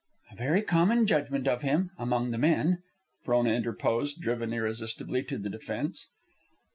"A very common judgment of him among the men," Frona interposed, driven irresistibly to the defensive.